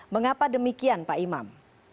mengapa demikian pak imam